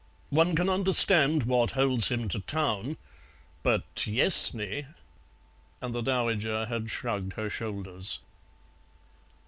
One can understand what holds him to Town, but Yessney " and the dowager had shrugged her shoulders.